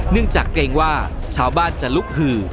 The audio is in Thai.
จากเกรงว่าชาวบ้านจะลุกหือ